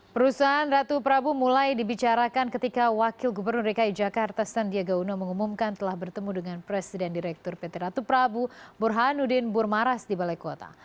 perusahaan ratu prabu mulai dibicarakan ketika wakil gubernur dki jakarta sandiaga uno mengumumkan telah bertemu dengan presiden direktur pt ratu prabu burhanuddin burmaras di balai kota